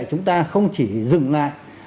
chúng ta không chỉ dừng lại